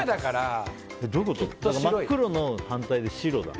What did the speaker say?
真っ黒の逆で白だ。